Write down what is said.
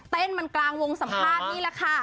มันกลางวงสัมภาษณ์นี่แหละค่ะ